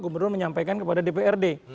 gubernur menyampaikan kepada dprd